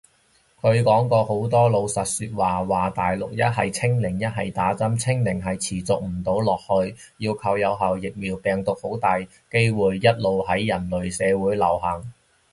佢講過好多老實說話，話大陸一係清零一係打針，清零係持續唔到落去，要靠有效疫苗，病毒好大機會一路喺人類社會流行